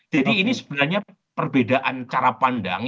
jadi ini sebenarnya perbedaan cara pandang